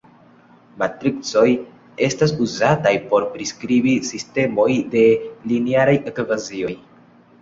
Matricoj estas uzataj por priskribi sistemojn de linearaj ekvacioj.